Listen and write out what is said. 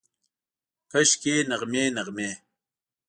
کاشکي، نغمې، نغمې